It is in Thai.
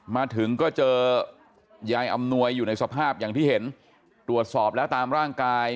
มาถึงก็เจอยายอำนวยอยู่ในสภาพอย่างที่เห็นตรวจสอบแล้วตามร่างกาย